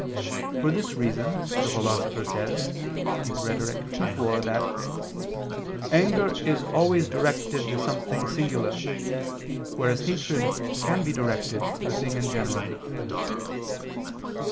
For this reason the Philosopher says (Rhet. ii, 4) that "anger is always directed to something singular, whereas hatred can be directed to a thing in general."